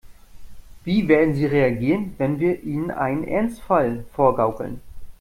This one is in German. Wie werden sie reagieren, wenn wir ihnen einen Ernstfall vorgaukeln?